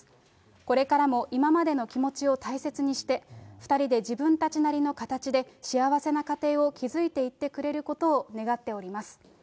これからも今までの気持ちを大切にして、２人で自分たちなりの形で幸せな家庭を築いていってくれることを願っております。